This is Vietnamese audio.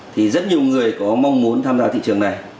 thì rất nhiều người có mong muốn tham gia thị trường này